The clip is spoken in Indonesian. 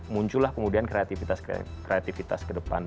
muncullah kemudian kreativitas kreativitas ke depan